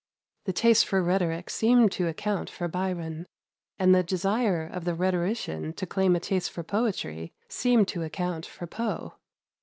The taste for rhetoric seemed to account for Byron, and the desire of the rhetorician to claim a taste for poetry seemed to account for Poe.